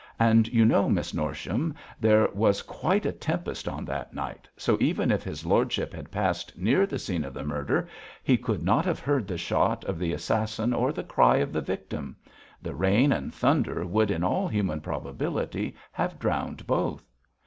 And you know, Miss Norsham, there was quite a tempest on that night, so even if his lordship had passed near the scene of the murder, he could not have heard the shot of the assassin or the cry of the victim. The rain and thunder would in all human probability have drowned both.'